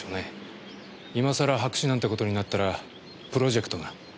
今さら白紙なんてことになったらプロジェクトが。